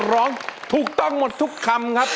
ร้องถูกต้องหมดทุกคำครับ